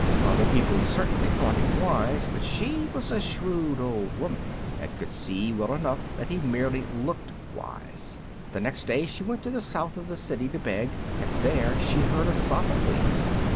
Other people certainly thought him wise, but she was a shrewd old woman, and could see well enough that he merely looked wise. The next day she went to the south of the city to beg, and there she heard of Sophocles.